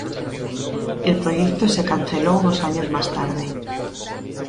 El proyecto se canceló unos años más tarde.